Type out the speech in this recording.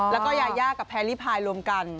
แล้วก็ยายากับแพรรี่พายรวมกัน